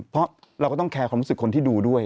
เพราะเราก็ต้องแคร์ความรู้สึกคนที่ดูด้วย